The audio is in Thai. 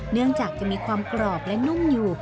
เนื่องจากจะมีความกรอบและนุ่มอยู่